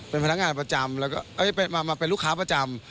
เป็นพนักงานประจำแล้วก็มาเป็นลูกค้าประจำ